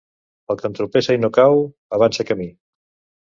El que entropessa i no cau, avança camí.